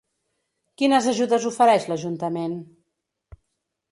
Quines ajudes ofereix l'ajuntament?